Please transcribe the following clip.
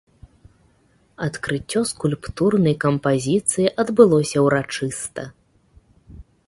Адкрыццё скульптурнай кампазіцыі адбылося ўрачыста.